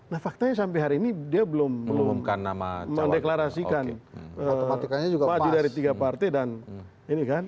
nah faktanya sampai hari ini dia belum mendeklarasikan maju dari tiga partai